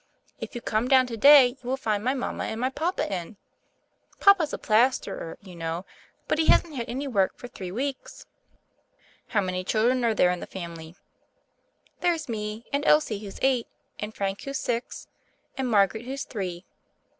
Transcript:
If you come down to day, you wiU find my mama and my papa in. Papa's a plas terer, you know ; but he hasn't had any work for three weeks." "How many children are there in the family?" "There's me, and Elsie, who's eight, and Frank, who's six, and Margaret, who's three.